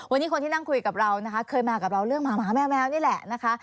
วันนี้คนที่นั่งคุยกับเรานะคะเคยมากับเราเรื่องหมาแมวนี่แหละนะคะ